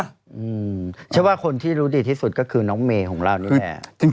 เชื่อว่าคนที่รู้ดีที่สุดก็คือน้องเมย์ของเรานี่แหละ